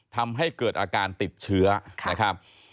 ทำให้เกิดอาการติดเชื้อนะครับ